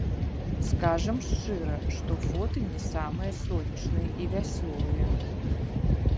Скажам шчыра, што фоты не самыя сонечныя і вясёлыя.